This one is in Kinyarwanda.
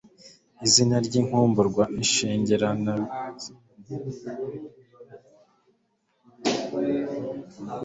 Izina ry' inkumburwa ishengeranaIzibamo ari Insezeraminyago